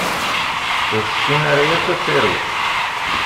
Ur tessin ara yakk ad taru